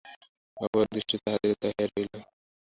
অপু একদৃষ্টি তাহদের দিকে চাহিয়া রহিল।